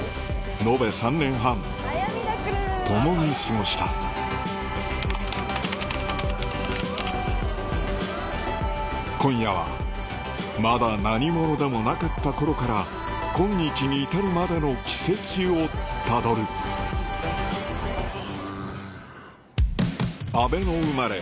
延べ３年半共に過ごした今夜はまだ何者でもなかった頃から今日に至るまでの軌跡をたどる阿倍野生まれ